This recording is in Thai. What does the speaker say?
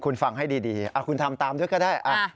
คุณฟังให้ดีคุณทำตามด้วยก็ได้